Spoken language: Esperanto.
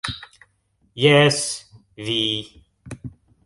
Jes, vi.